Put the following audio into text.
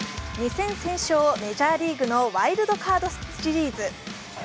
２戦先勝、メジャーリーグのワイルドカードシリーズ。